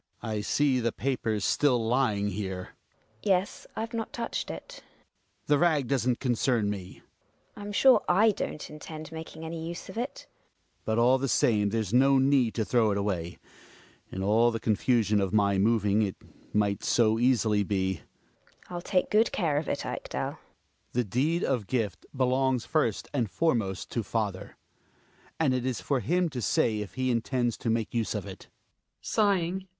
I see the paper's still lying here. GiNA. Yes, I've not touched it Hjalmar. The rag doesn't concern me GiNA. I'm sure / don't intend making any use of it Hjalmar but all the same there's no need to throw it away in all the confusion of my moving it might so easily be GiNA. I'll take good care of it, Ekdal. Hjalmar. The deed of gift belongs first and foremost to father; and it is for him to say if he intends to make use of it GiNA {sighing).